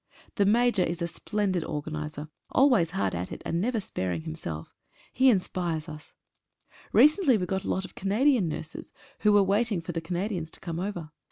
The Major is a splendid organiser — always hard at it, and never sparing himself — he inspires us. Recently we got a lot of Canadian nurses who were waiting for the Canadians to come over.